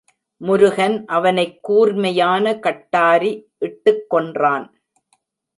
முருகன் அவனைக் கூர்மையான கட்டாரி இட்டுக் கொன்றான்.